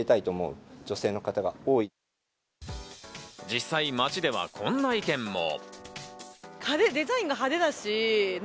実際、街ではこんな意見も。